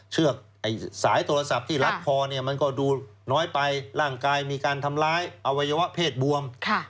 เชือกสายโทรศัพท์ที่รัดคอเนี่ยมันก็ดูน้อยไปร่างกายมีการทำร้ายอวัยวะเพศบวม